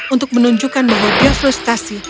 untuk menunjukkan bahwa dia frustasi